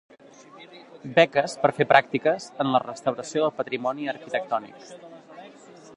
Beques per fer pràctiques en la restauració del patrimoni arquitectònic.